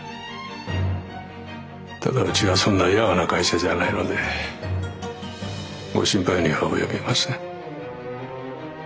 ただうちはそんなやわな会社じゃないのでご心配には及びません。